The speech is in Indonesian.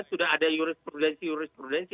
sudah ada jurisprudensi jurisprudensi